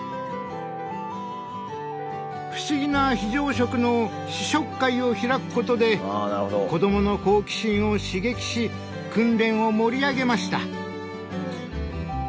不思議な非常食の試食会を開くことで子どもの好奇心を刺激し訓練を盛り上げました。